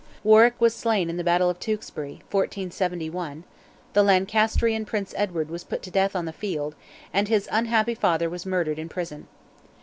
Warwick was slain in the battle of Tewkesbury (1471), the Lancasterian Prince Edward was put to death on the field, and his unhappy father was murdered in prison.